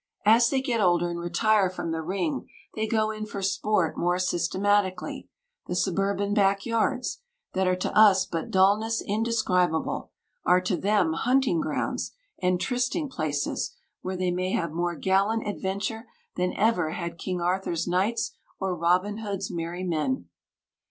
As they get older and retire from the ring they go in for sport more systematically; the suburban backyards, that are to us but dullness indescribable, are to them hunting grounds and trysting places where they may have more gallant adventure than ever had King Arthur's knights or Robin Hood's merry men.